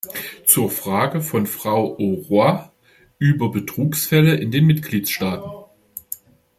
Zur Frage von Frau Auroi über Betrugsfälle in den Mitgliedstaaten.